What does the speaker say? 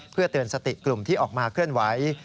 เพื่อเตือนสติกลุ่มที่ออกมาเคลื่อนไหว